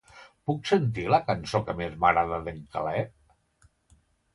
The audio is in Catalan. Puc sentir la cançó que més m'agrada d'en Caleb?